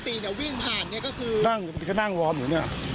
ปกติวิ่งผ่านก็คือ